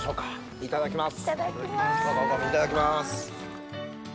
いただきます。